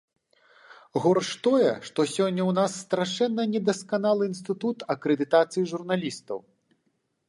Горш тое, што сёння ў нас страшэнна недасканалы інстытут акрэдытацыі журналістаў.